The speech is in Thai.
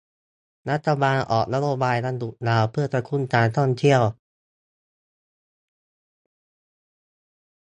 รัฐบาลออกนโยบายวันหยุดยาวเพื่อกระตุ้นการท่องเที่ยว